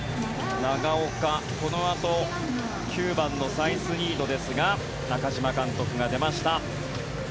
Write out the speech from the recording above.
長岡、このあと９番のサイスニードですが中嶋監督が出ました。